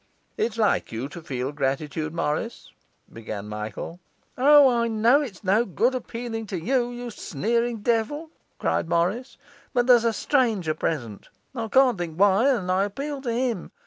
'It's like you to feel gratitude, Morris,' began Michael. 'O, I know it's no good appealing to you, you sneering devil!' cried Morris. 'But there's a stranger present, I can't think why, and I appeal to him.